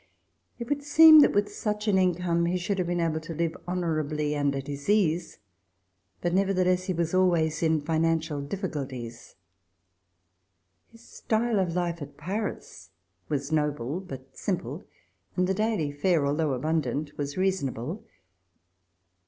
It would seem that with such an income he should have been able to live honorably and at his ease, but nevertheless he was always in Cs] RECOLLECTIONS OF THE REVOLUTION financial difficulties. His style of life at Paris was noble but simple, and the daily fare, although abundant, was reasonable.